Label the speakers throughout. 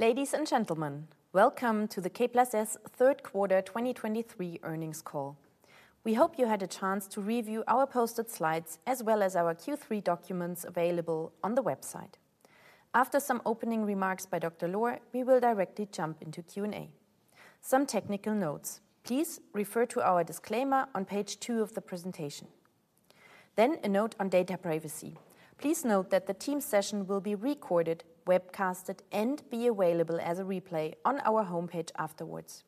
Speaker 1: Ladies and gentlemen, welcome to the K+S third quarter 2023 earnings call. We hope you had a chance to review our posted slides, as well as our Q3 documents available on the website. After some opening remarks by Dr. Lohr, we will directly jump into Q&A. Some technical notes: Please refer to our disclaimer on page two of the presentation. Then, a note on data privacy. Please note that the Teams session will be recorded, webcasted, and be available as a replay on our homepage afterwards.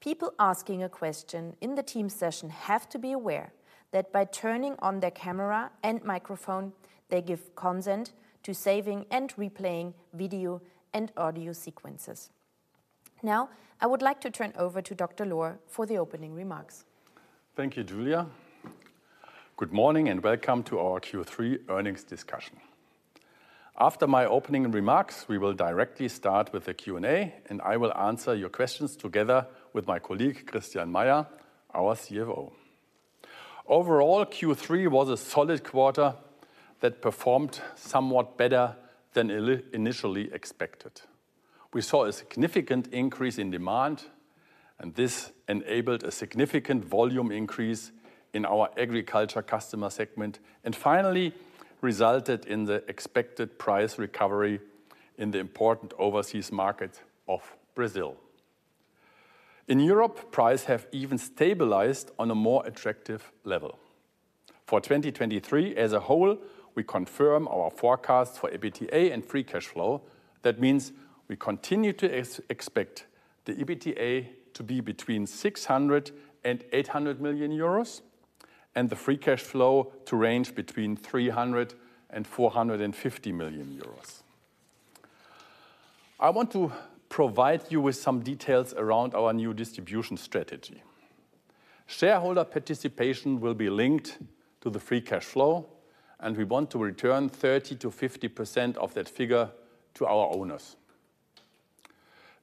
Speaker 1: People asking a question in the Teams session have to be aware that by turning on their camera and microphone, they give consent to saving and replaying video and audio sequences. Now, I would like to turn over to Dr. Lohr for the opening remarks.
Speaker 2: Thank you, Julia. Good morning, and welcome to our Q3 earnings discussion. After my opening remarks, we will directly start with the Q&A, and I will answer your questions together with my colleague, Christian Meyer, our CFO. Overall, Q3 was a solid quarter that performed somewhat better than initially expected. We saw a significant increase in demand, and this enabled a significant volume increase in our agriculture customer segment, and finally, resulted in the expected price recovery in the important overseas market of Brazil. In Europe, price have even stabilized on a more attractive level. For 2023 as a whole, we confirm our forecast for EBITDA and free cash flow. That means we continue to expect the EBITDA to be between 600 million euros and 800 million euros, and the free cash flow to range between 300 million euros and 450 million euros. I want to provide you with some details around our new distribution strategy. Shareholder participation will be linked to the free cash flow, and we want to return 30%-50% of that figure to our owners.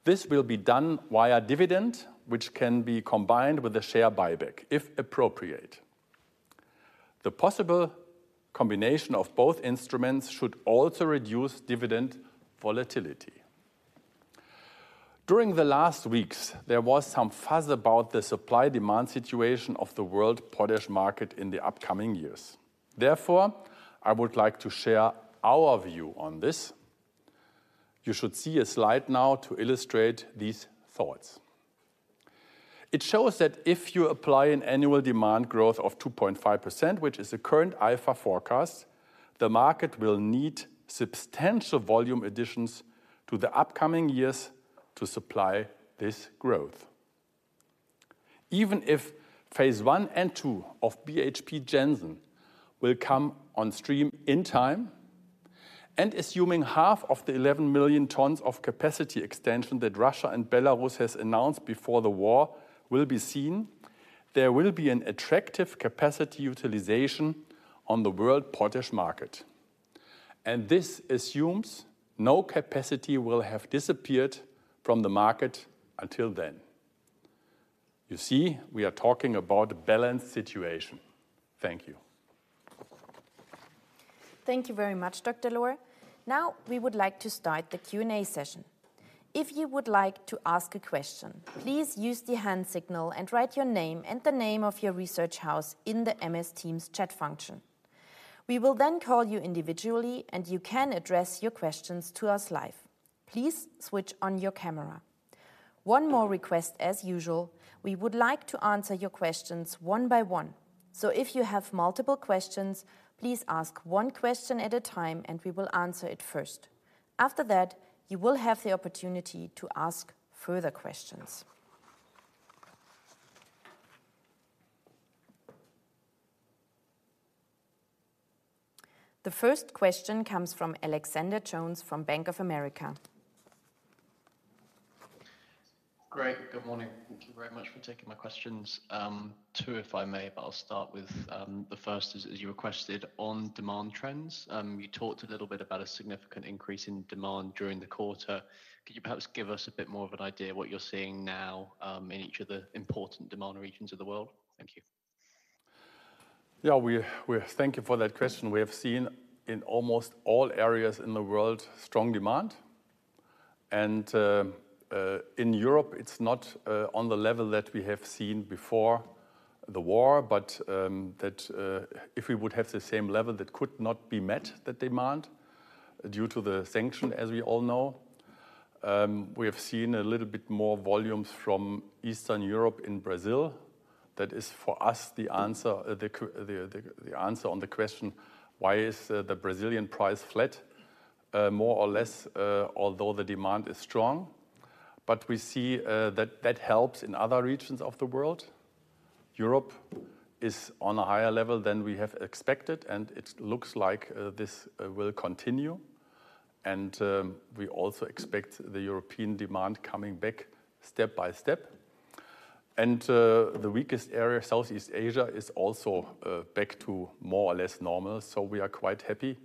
Speaker 2: This will be done via dividend, which can be combined with a share buyback, if appropriate. The possible combination of both instruments should also reduce dividend volatility. During the last weeks, there was some fuss about the supply-demand situation of the world potash market in the upcoming years. Therefore, I would like to share our view on this. You should see a slide now to illustrate these thoughts. It shows that if you apply an annual demand growth of 2.5%, which is the current IFA forecast, the market will need substantial volume additions to the upcoming years to supply this growth. Even if phase one and two of BHP Jansen will come on stream in time, and assuming half of the 11 million tons of capacity extension that Russia and Belarus has announced before the war will be seen, there will be an attractive capacity utilization on the world potash market, and this assumes no capacity will have disappeared from the market until then. You see, we are talking about a balanced situation. Thank you.
Speaker 1: Thank you very much, Dr. Lohr. Now, we would like to start the Q&A session. If you would like to ask a question, please use the hand signal and write your name and the name of your research house in the MS Teams chat function. We will then call you individually, and you can address your questions to us live. Please switch on your camera. One more request as usual, we would like to answer your questions one by one. So if you have multiple questions, please ask one question at a time, and we will answer it first. After that, you will have the opportunity to ask further questions. The first question comes from Alexander Jones from Bank of America.
Speaker 3: Great. Good morning. Thank you very much for taking my questions. Two, if I may, but I'll start with the first, as you requested, on demand trends. You talked a little bit about a significant increase in demand during the quarter. Could you perhaps give us a bit more of an idea what you're seeing now in each of the important demand regions of the world? Thank you.
Speaker 2: Yeah, we thank you for that question. We have seen, in almost all areas in the world, strong demand, and in Europe, it's not on the level that we have seen before the war, but that if we would have the same level, that could not be met, the demand, due to the sanction, as we all know. We have seen a little bit more volumes from Eastern Europe in Brazil. That is, for us, the answer, the answer on the question: Why is the Brazilian price flat more or less although the demand is strong? But we see that that helps in other regions of the world. Europe is on a higher level than we have expected, and it looks like this will continue. We also expect the European demand coming back step by step. The weakest area, Southeast Asia, is also back to more or less normal. So we are quite happy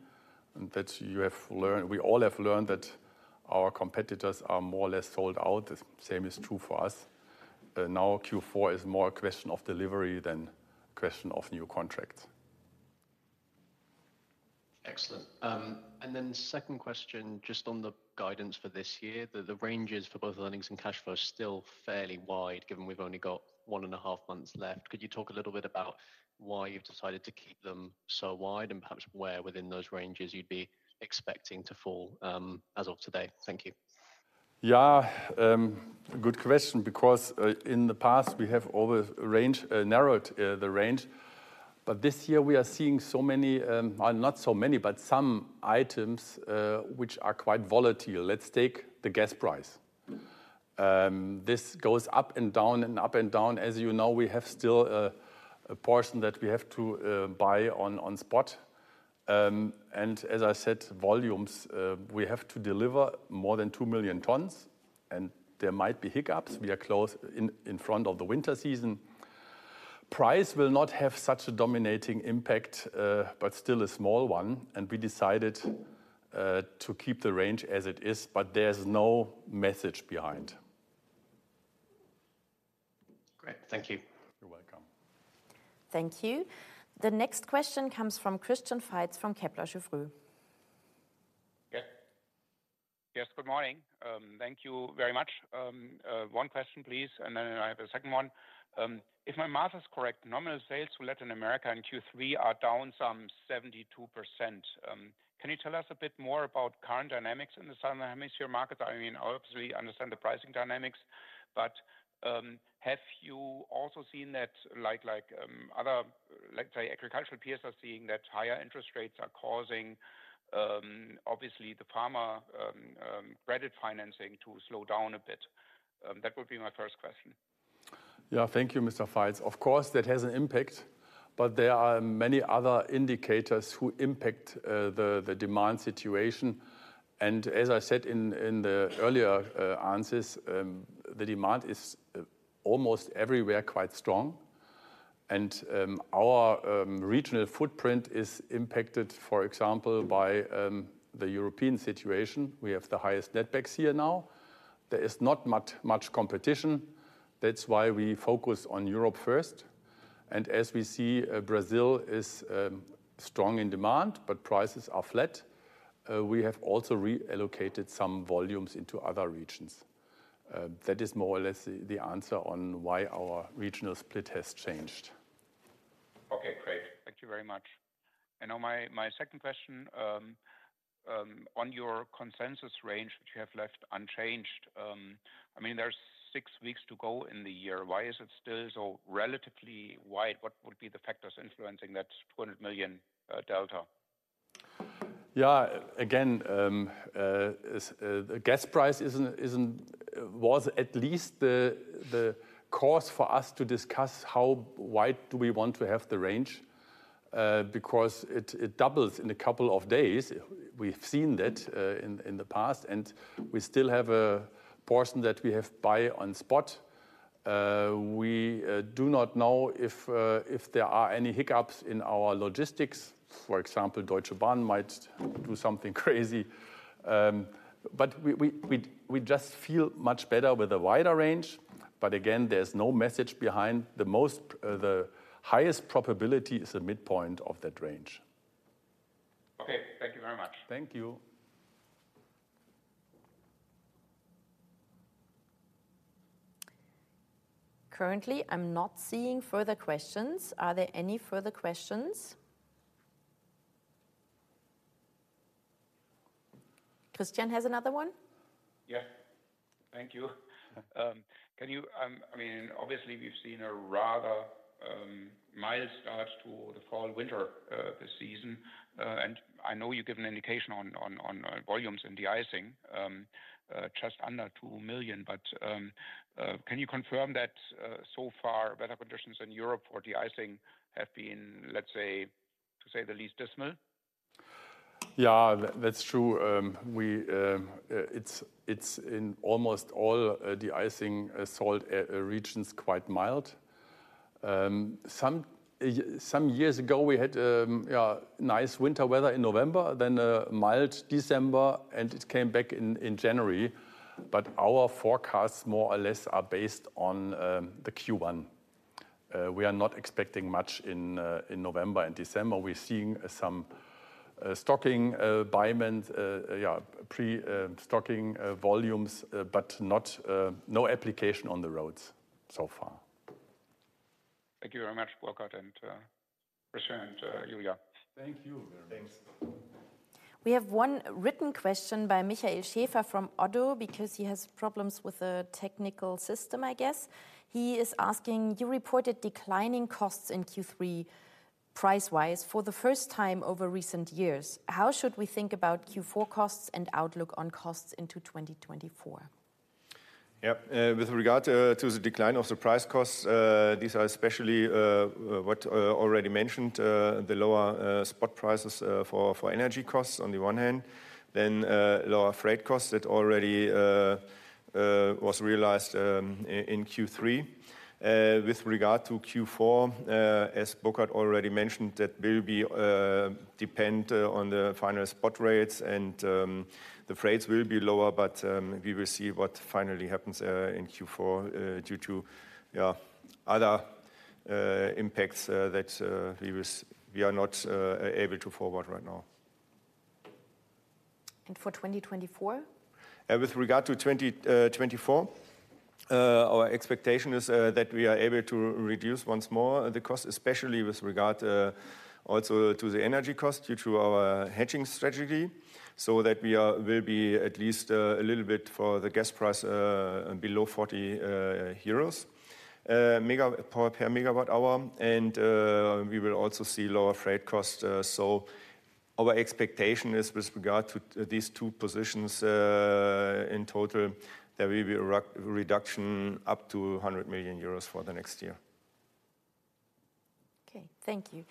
Speaker 2: that you have learned, we all have learned that our competitors are more or less sold out. The same is true for us. Now Q4 is more a question of delivery than question of new contracts.
Speaker 3: Excellent. And then second question, just on the guidance for this year. The ranges for both earnings and cash flow are still fairly wide, given we've only got one and a half months left. Could you talk a little bit about why you've decided to keep them so wide, and perhaps where within those ranges you'd be expecting to fall, as of today? Thank you.
Speaker 2: Yeah, good question, because, in the past, we have always arranged, narrowed, the range. But this year we are seeing so many, well, not so many, but some items, which are quite volatile. Let's take the gas price. This goes up and down, and up and down. As you know, we have still, a portion that we have to, buy on, on spot. And as I said, volumes, we have to deliver more than 2 million tons, and there might be hiccups. We are close in, in front of the winter season. Price will not have such a dominating impact, but still a small one, and we decided, to keep the range as it is, but there's no message behind.
Speaker 3: Great. Thank you.
Speaker 2: You're welcome.
Speaker 1: Thank you. The next question comes from Christian Faitz from Kepler Cheuvreux.
Speaker 4: Yes. Yes, good morning. Thank you very much. One question, please, and then I have a second one. If my math is correct, nominal sales to Latin America in Q3 are down some 72%. Can you tell us a bit more about current dynamics in the southern hemisphere market? I mean, obviously, we understand the pricing dynamics, but, have you also seen that like, other, let's say, agricultural peers are seeing that higher interest rates are causing, obviously, the farmer, credit financing to slow down a bit? That would be my first question.
Speaker 2: Yeah. Thank you, Mr. Faitz. Of course, that has an impact, but there are many other indicators who impact the demand situation. And as I said in the earlier answers, the demand is almost everywhere quite strong. And our regional footprint is impacted, for example, by the European situation. We have the highest netbacks here now. There is not much competition. That's why we focus on Europe first, and as we see, Brazil is strong in demand, but prices are flat. We have also reallocated some volumes into other regions. That is more or less the answer on why our regional split has changed.
Speaker 4: Okay, great. Thank you very much. And now my second question on your consensus range, which you have left unchanged. I mean, there's six weeks to go in the year. Why is it still so relatively wide? What would be the factors influencing that 200 million delta?
Speaker 2: Yeah. Again, the gas price isn't the cause for us to discuss how wide do we want to have the range, because it doubles in a couple of days. We've seen that in the past, and we still have a portion that we have buy on spot. We do not know if there are any hiccups in our logistics. For example, Deutsche Bahn might do something crazy. But we just feel much better with a wider range. But again, there's no message behind. The most, the highest probability is the midpoint of that range.
Speaker 4: Okay. Thank you very much.
Speaker 2: Thank you.
Speaker 1: Currently, I'm not seeing further questions. Are there any further questions? Christian has another one?
Speaker 4: Yeah. Thank you. Can you, I mean, obviously, we've seen a rather mild start to the fall, winter season. And I know you give an indication on volumes in de-icing just under 2 million. But can you confirm that so far, weather conditions in Europe for de-icing have been, let's say, to say the least, dismal?
Speaker 2: Yeah, that's true. It's in almost all de-icing salt regions, quite mild. Some years ago, we had nice winter weather in November, then a mild December, and it came back in January. But our forecasts, more or less, are based on the Q1. We are not expecting much in November and December. We're seeing some pre-stocking volumes, but not no application on the roads so far.
Speaker 4: Thank you very much, Burkhard and Christian and Julia.
Speaker 2: Thank you very much.
Speaker 5: Thanks.
Speaker 1: We have one written question by Michael Schaefer from ODDO, because he has problems with the technical system, I guess. He is asking: You reported declining costs in Q3, price-wise, for the first time over recent years. How should we think about Q4 costs and outlook on costs into 2024?
Speaker 5: Yeah, with regard to the decline of the price costs, these are especially, as already mentioned, the lower spot prices for energy costs on the one hand, then lower freight costs that already was realized in Q3. With regard to Q4, as Burkhard already mentioned, that will be depend on the final spot rates and the freights will be lower, but we will see what finally happens in Q4 due to, yeah, other impacts that we are not able to forward right now.
Speaker 1: For 2024?
Speaker 5: With regard to 2024, our expectation is that we are able to reduce once more the cost, especially with regard also to the energy cost due to our hedging strategy. So that we will be at least a little bit for the gas price below 40 euros per MWh, and we will also see lower freight costs. So our expectation is with regard to these two positions in total, there will be a reduction up to 100 million euros for the next year.
Speaker 1: Okay, thank you.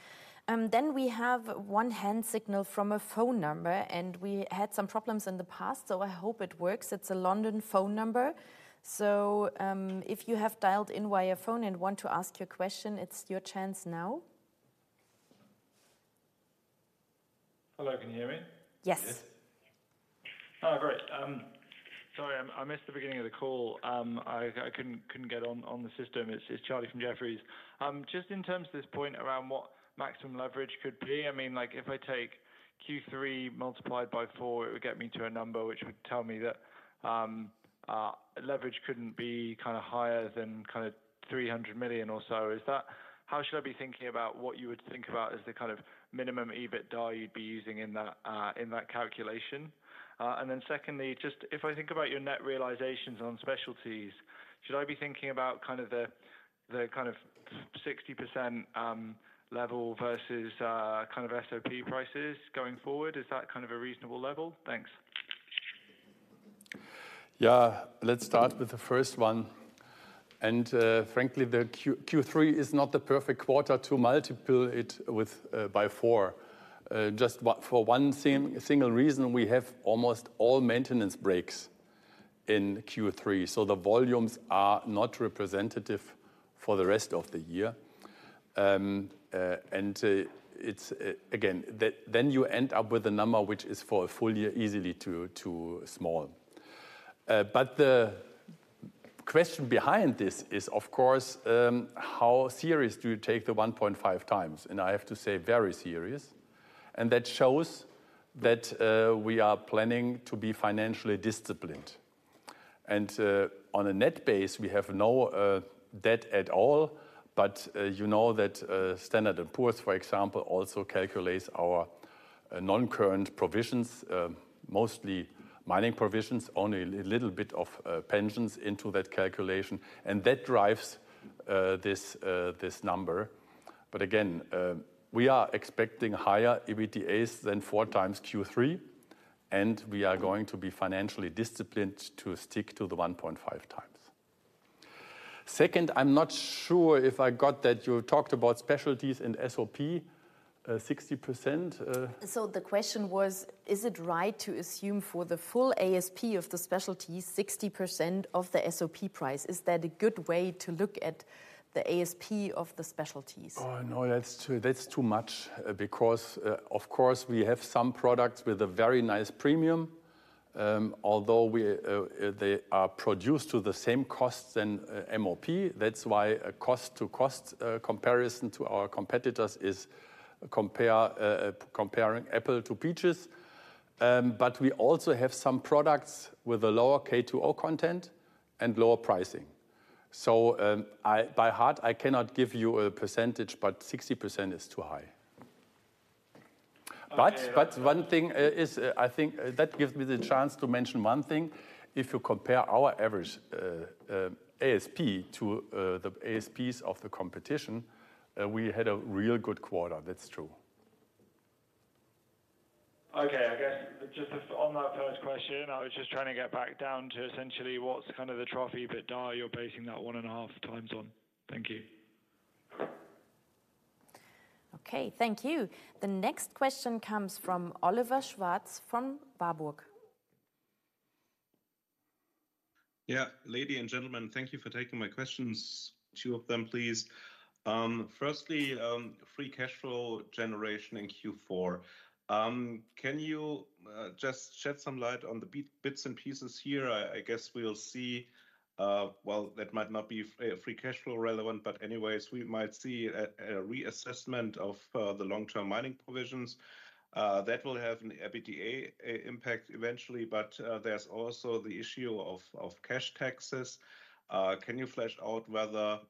Speaker 1: Then we have one hand signal from a phone number, and we had some problems in the past, so I hope it works. It's a London phone number. So, if you have dialed in via phone and want to ask your question, it's your chance now.
Speaker 6: Hello, can you hear me?
Speaker 1: Yes.
Speaker 2: Yes.
Speaker 6: Oh, great. Sorry, I missed the beginning of the call. I couldn't get on the system. It's Charlie from Jefferies. Just in terms of this point around what maximum leverage could be, I mean, like, if I take Q3 multiplied by four, it would get me to a number which would tell me that leverage couldn't be kinda higher than kinda 300 million or so. Is that? How should I be thinking about what you would think about as the kind of minimum EBITDA you'd be using in that calculation? And then secondly, just if I think about your net realizations on specialties, should I be thinking about kind of the kind of 60% level versus kind of SOP prices going forward? Is that kind of a reasonable level? Thanks.
Speaker 2: Yeah. Let's start with the first one. And, frankly, the Q3 is not the perfect quarter to multiply it with by four. Just for one single reason, we have almost all maintenance breaks in Q3, so the volumes are not representative for the rest of the year. And, it's again, then you end up with a number which is for a full year, easily too small. But the question behind this is, of course, how serious do you take the 1.5x? And I have to say very serious, and that shows that, we are planning to be financially disciplined. And, on a net base, we have no debt at all. But, you know that, Standard & Poor's, for example, also calculates our, non-current provisions, mostly mining provisions, only a little bit of, pensions into that calculation, and that drives this number. But again, we are expecting higher EBITDAs than 4x Q3, and we are going to be financially disciplined to stick to the 1.5x. Second, I'm not sure if I got that you talked about specialties and SOP, 60%,
Speaker 1: The question was: Is it right to assume for the full ASP of the specialties, 60% of the SOP price? Is that a good way to look at the ASP of the specialties?
Speaker 2: Oh, no, that's too much. Because, of course, we have some products with a very nice premium, although we, they are produced to the same costs than MOP. That's why a cost-to-cost comparison to our competitors is comparing apple to peaches. But we also have some products with a lower K2O content and lower pricing. So, by heart, I cannot give you a percentage, but 60% is too high. But one thing, I think, that gives me the chance to mention one thing. If you compare our average ASP to the ASPs of the competition, we had a real good quarter. That's true.
Speaker 6: Okay. I guess just on that first question, I was just trying to get back down to essentially what's kind of the trophy EBITDA you're basing that 1.5x on. Thank you.
Speaker 1: Okay, thank you. The next question comes from Oliver Schwarz, from Warburg.
Speaker 7: Yeah, ladies and gentlemen, thank you for taking my questions. Two of them, please. Firstly, free cash flow generation in Q4. Can you just shed some light on the bits and pieces here? I guess we'll see. Well, that might not be free cash flow relevant, but anyways, we might see a reassessment of the long-term mining provisions. That will have an EBITDA impact eventually, but there's also the issue of cash taxes. Can you flesh out whether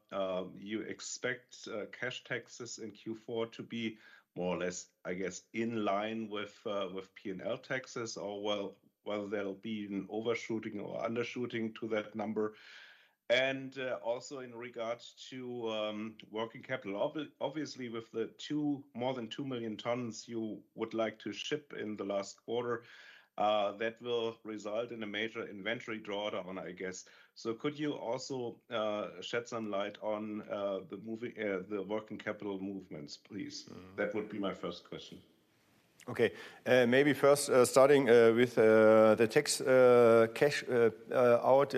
Speaker 7: you expect cash taxes in Q4 to be more or less, I guess, in line with P&L taxes, or well, whether there'll be an overshooting or undershooting to that number? Also in regards to working capital, obviously, with the more than 2 million tons you would like to ship in the last quarter, that will result in a major inventory drawdown, I guess. Could you also shed some light on the moving, the working capital movements, please?
Speaker 2: Mm-hmm.
Speaker 7: That would be my first question.
Speaker 5: Okay, maybe first, starting with the tax cash out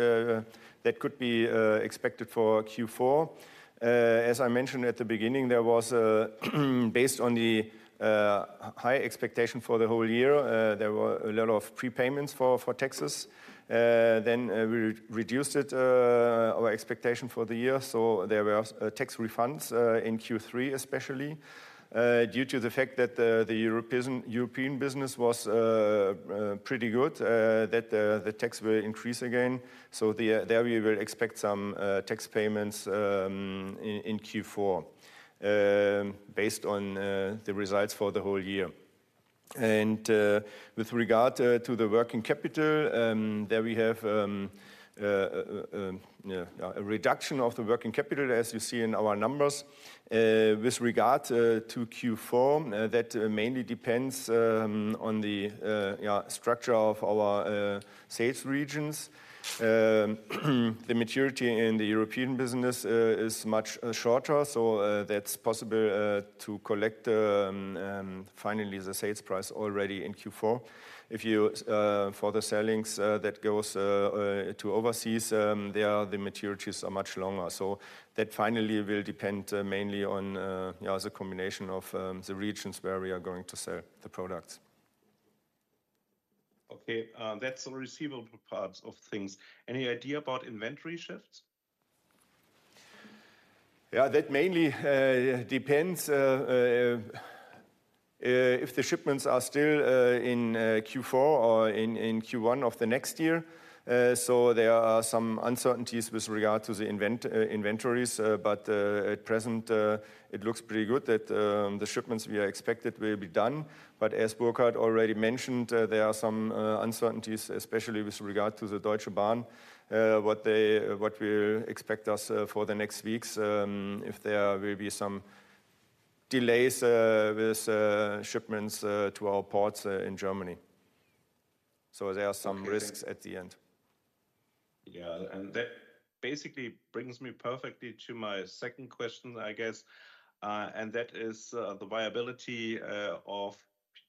Speaker 5: that could be expected for Q4. As I mentioned at the beginning, there was a based on the high expectation for the whole year, there were a lot of prepayments for taxes. Then, we reduced our expectation for the year, so there were tax refunds in Q3, especially. Due to the fact that the European business was pretty good, that the tax will increase again. So there we will expect some tax payments in Q4, based on the results for the whole year. With regard to the working capital, there we have a reduction of the working capital, as you see in our numbers. With regard to Q4, that mainly depends on the structure of our sales regions. The maturity in the European business is much shorter, so that's possible to collect finally the sales price already in Q4. If you for the sellings that goes to overseas, there the maturities are much longer. So that finally will depend mainly on, you know, the combination of the regions where we are going to sell the products.
Speaker 7: Okay, that's the receivable parts of things. Any idea about inventory shifts?
Speaker 5: Yeah, that mainly depends if the shipments are still in Q4 or in Q1 of the next year. So there are some uncertainties with regard to the inventories, but at present, it looks pretty good that the shipments we are expected will be done. But as Burkhard already mentioned, there are some uncertainties, especially with regard to the Deutsche Bahn, what we expect for the next weeks, if there will be some delays with shipments to our ports in Germany. So there are some risks at the end.
Speaker 7: Yeah, and that basically brings me perfectly to my second question, I guess. And that is, the viability of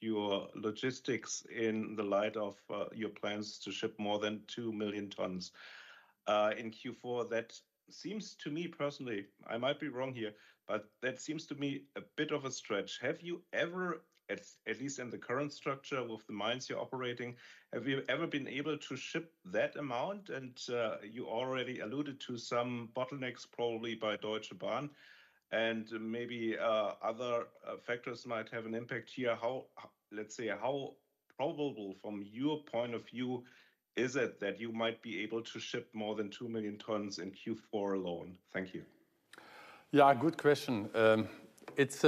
Speaker 7: your logistics in the light of your plans to ship more than 2 million tons in Q4. That seems to me personally, I might be wrong here, but that seems to me a bit of a stretch. Have you ever, at least in the current structure of the mines you're operating, have you ever been able to ship that amount? And, you already alluded to some bottlenecks, probably by Deutsche Bahn, and maybe, other, factors might have an impact here. How, let's say, how probable, from your point of view, is it that you might be able to ship more than 2 million tons in Q4 alone? Thank you.
Speaker 2: Yeah, good question. It's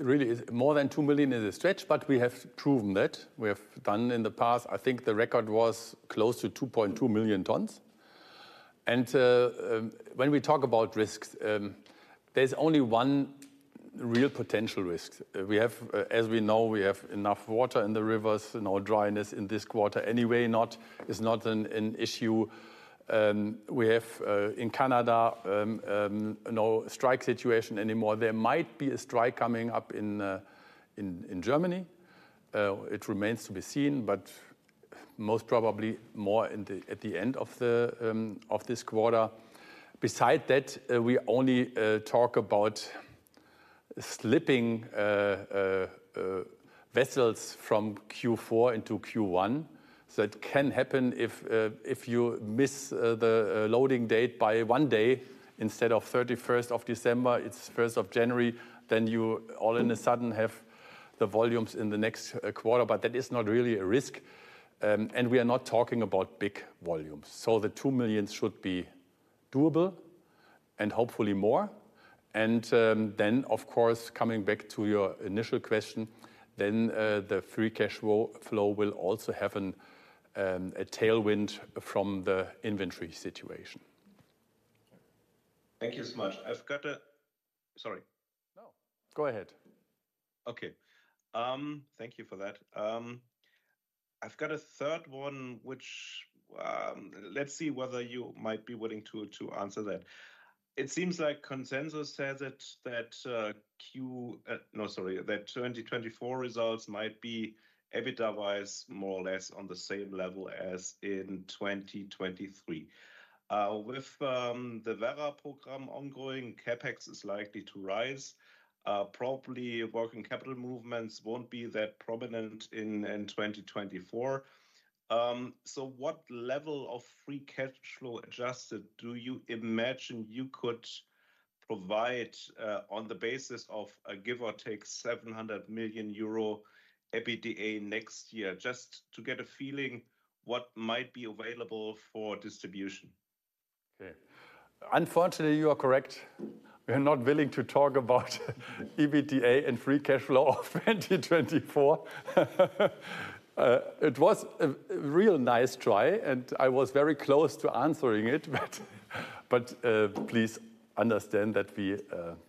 Speaker 2: really more than 2 million is a stretch, but we have proven that. We have done in the past. I think the record was close to 2.2 million tons. And when we talk about risks, there's only one real potential risk. We have, as we know, we have enough water in the rivers. You know, dryness in this quarter anyway, not an issue. We have in Canada no strike situation anymore. There might be a strike coming up in Germany. It remains to be seen, but most probably more in the at the end of this quarter. Besides that, we only talk about slipping vessels from Q4 into Q1. So it can happen if you miss the loading date by one day, instead of 31st of December, it's first of January, then you all of a sudden have the volumes in the next quarter. But that is not really a risk, and we are not talking about big volumes. So the 2 million should be doable and hopefully more. And then, of course, coming back to your initial question, then the free cash flow will also have a tailwind from the inventory situation.
Speaker 7: Thank you so much. I've got a. Sorry.
Speaker 2: No, go ahead.
Speaker 7: Okay, thank you for that. I've got a third one which, let's see whether you might be willing to answer that. It seems like consensus says that 2024 results might be EBITDA-wise, more or less on the same level as in 2023. With the Werra program ongoing, CapEx is likely to rise. Probably working capital movements won't be that prominent in 2024. So what level of free cash flow adjusted do you imagine you could provide on the basis of a give or take, 700 million euro EBITDA next year? Just to get a feeling what might be available for distribution.
Speaker 2: Okay. Unfortunately, you are correct. We are not willing to talk about EBITDA and free cash flow of 2024. It was a real nice try, and I was very close to answering it, but please understand that we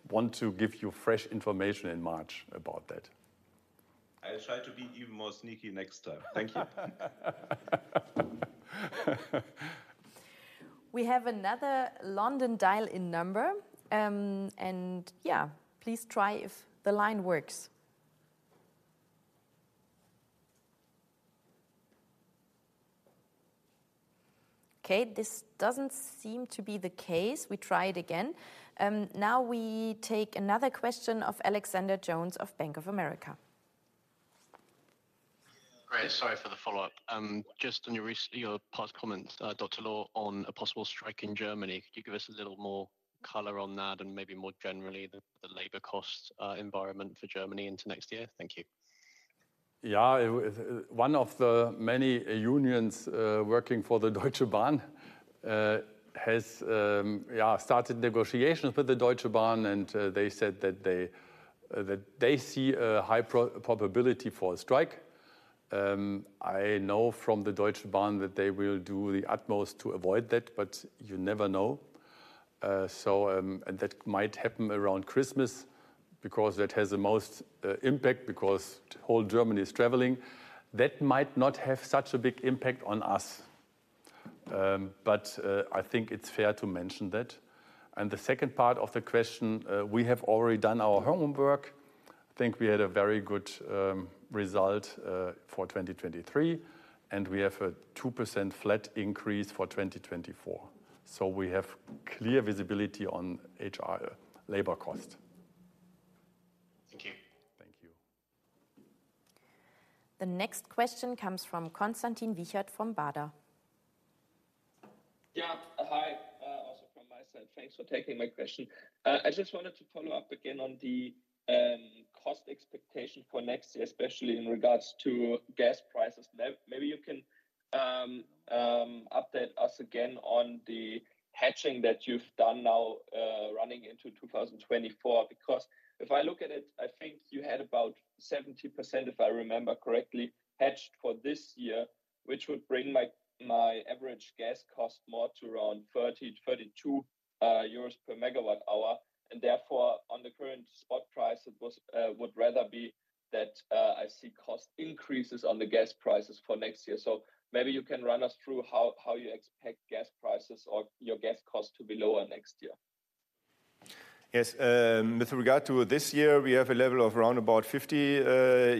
Speaker 2: want to give you fresh information in March about that.
Speaker 7: I'll try to be even more sneaky next time. Thank you.
Speaker 1: We have another London dial-in number, and yeah, please try if the line works. Okay, this doesn't seem to be the case. We try it again. Now we take another question of Alexander Jones of Bank of America.
Speaker 3: Great. Sorry for the follow-up. Just on your past comment, Dr. Lohr, on a possible strike in Germany, could you give us a little more color on that, and maybe more generally, the labor cost environment for Germany into next year? Thank you.
Speaker 2: Yeah, one of the many unions working for the Deutsche Bahn has started negotiations with the Deutsche Bahn, and they said that they see a high probability for a strike. I know from the Deutsche Bahn that they will do the utmost to avoid that, but you never know. So, that might happen around Christmas because that has the most impact, because the whole Germany is traveling. That might not have such a big impact on us, but I think it's fair to mention that. And the second part of the question, we have already done our homework. I think we had a very good result for 2023, and we have a 2% flat increase for 2024. So we have clear visibility on HR labor cost.
Speaker 3: Thank you.
Speaker 2: Thank you.
Speaker 1: The next question comes from Konstantin Wiechert from Baader.
Speaker 8: Yeah, hi, also from my side, thanks for taking my question. I just wanted to follow up again on the cost expectation for next year, especially in regards to gas prices. Maybe you can update us again on the hedging that you've done now running into 2024. Because if I look at it, I think you had about 70%, if I remember correctly, hedged for this year, which would bring my average gas cost more to around 30-32 euros per MWh. And therefore, on the current spot price, it would rather be that I see cost increases on the gas prices for next year. So maybe you can run us through how you expect gas prices or your gas cost to be lower next year.
Speaker 2: Yes, with regard to this year, we have a level of around about 50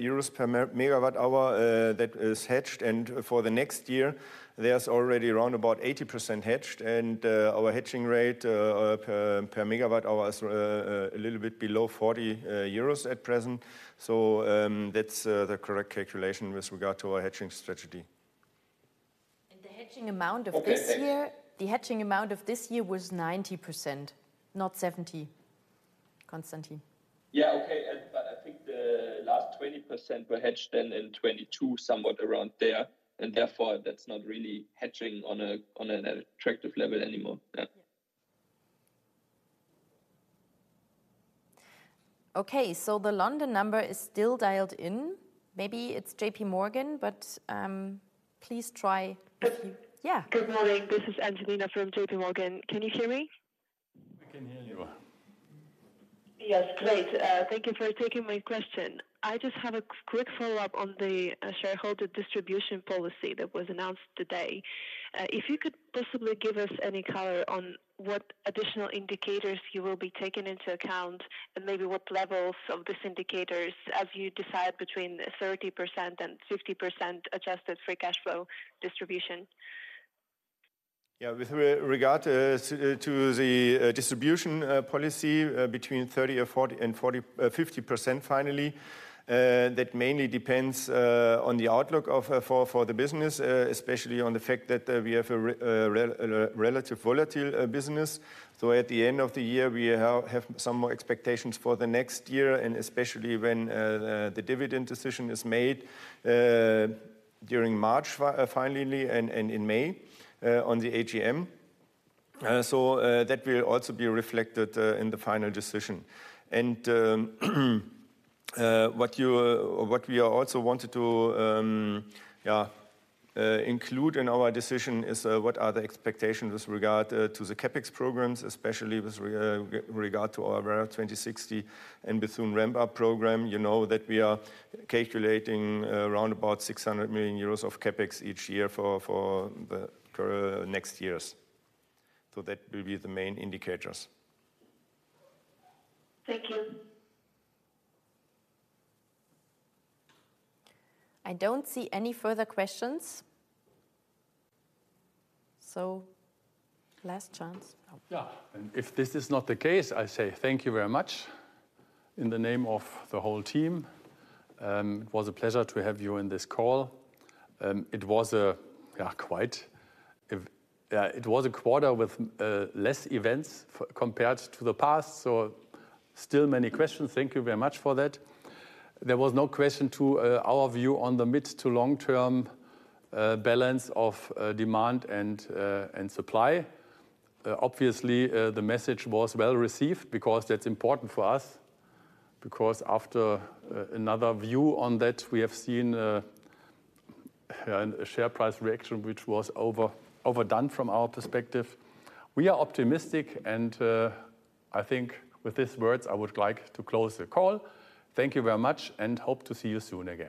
Speaker 2: euros per MWh that is hedged. For the next year, there's already around about 80% hedged, and our hedging rate per MWh is a little bit below 40 euros at present. That's the correct calculation with regard to our hedging strategy.
Speaker 1: The hedging amount of this year
Speaker 8: Okay, thank
Speaker 1: The hedging amount of this year was 90%, not 70%, Konstantin.
Speaker 8: Yeah, okay, but I think the last 20% were hedged then in 2022, somewhat around there, and therefore, that's not really hedging on a, on an attractive level anymore. Yeah.
Speaker 1: Okay, so the London number is still dialed in. Maybe it's JPMorgan, but, please try
Speaker 9: Good
Speaker 1: Yeah.
Speaker 9: Good morning, this is Antonina from JP Morgan. Can you hear me?
Speaker 2: We can hear you.
Speaker 9: Yes, great. Thank you for taking my question. I just have a quick follow-up on the shareholder distribution policy that was announced today. If you could possibly give us any color on what additional indicators you will be taking into account and maybe what levels of these indicators as you decide between 30% and 50% adjusted free cash flow distribution?
Speaker 2: Yeah, with regard to the distribution policy between 30% and 40% and 40%-50% finally, that mainly depends on the outlook for the business, especially on the fact that we have a relatively volatile business. So at the end of the year, we have some more expectations for the next year, and especially when the dividend decision is made during March finally, and in May on the AGM. So that will also be reflected in the final decision. What we also wanted to include in our decision is what are the expectations with regard to the CapEx programs, especially with regard to our Werra 2060 and Bethune Ramp-Up program. You know, that we are calculating around about 600 million euros of CapEx each year for the next years. That will be the main indicators.
Speaker 9: Thank you.
Speaker 1: I don't see any further questions, so last chance. Oh.
Speaker 2: Yeah, and if this is not the case, I say thank you very much in the name of the whole team. It was a pleasure to have you on this call. It was a quarter with less events compared to the past, so still many questions. Thank you very much for that. There was no question to our view on the mid to long-term balance of demand and supply. Obviously, the message was well-received because that's important for us, because after another view on that, we have seen a share price reaction, which was overdone from our perspective. We are optimistic, and I think with these words, I would like to close the call. Thank you very much, and hope to see you soon again.